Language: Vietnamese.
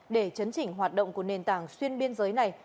để chấn chỉnh hoạt động của nền tảng xuyên biên giới này